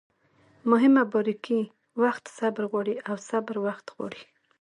مهمه باریکي: وخت صبر غواړي او صبر وخت غواړي